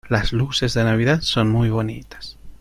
Las luces de navidad son muy bonitas.